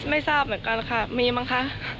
ไม่ทราบเหมือนกันค่ะมีมั้งคะ